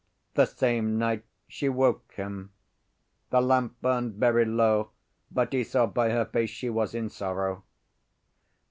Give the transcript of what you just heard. The same night she woke him. The lamp burned very low, but he saw by her face she was in sorrow.